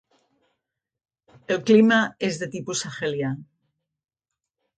El clima és de tipus sahelià.